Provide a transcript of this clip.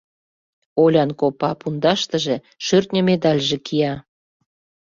Олян копа пундаштыже шӧртньӧ медальже кия.